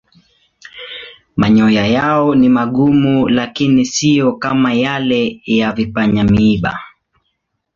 Manyoya yao ni magumu lakini siyo kama yale ya vipanya-miiba.